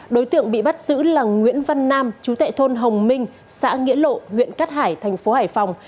đối tượng bị bắt giữ là nguyễn văn nam chú tệ thôn hồng minh xã nghĩa lộ huyện cát hải thành phố hải phòng